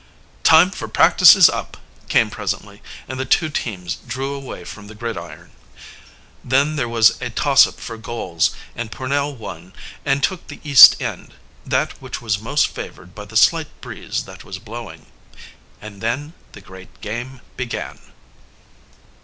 "Time for practice is up!" came presently, and the two teams drew away from the gridiron. Then there was a toss up for goals, and Pornell won and took the east end, that which was most favored by the slight breeze that was blowing. And then the great game began.